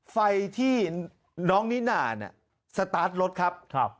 ไฟที่น้องนิน่าเนี่ยสตาร์ทรถครับ